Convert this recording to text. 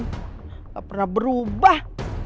gak pernah berubah